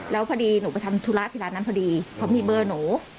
แล้วพอดีหนูไปทำธุระที่ร้านนั้นพอดีเพราะมีเบอร์หนู